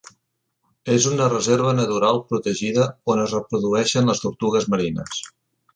És una reserva natural protegida on es reprodueixen les tortugues marines.